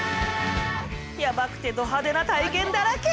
やばくてド派手な体験だらけ！